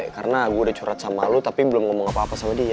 karena gue udah curat sama lo tapi belum ngomong apa apa sama dia